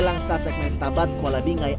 langsas segmen setabat kuala bingai